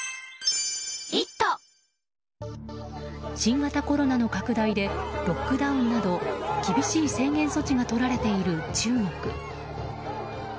新型コロナの拡大でロックダウンなど厳しい制限措置が取られている中国。